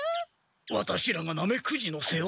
ワタシらがナメクジの世話を？